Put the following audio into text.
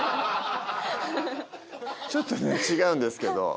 ちょっとね違うんですけど。